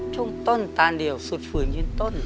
ช่วงต้นตานเดี่ยวสุดฝืนยืนต้น